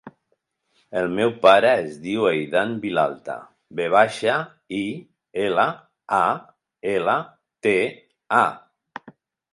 El meu pare es diu Eidan Vilalta: ve baixa, i, ela, a, ela, te, a.